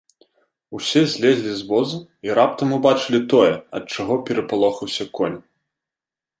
Усе злезлі з воза і раптам убачылі тое, ад чаго перапалохаўся конь.